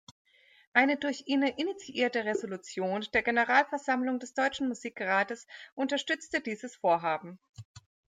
Eine durch ihn initiierte Resolution der Generalversammlung des Deutschen Musikrates unterstützte dieses Vorhaben.